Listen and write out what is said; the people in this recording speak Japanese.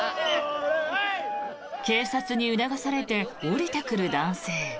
警察に促されて降りてくる男性。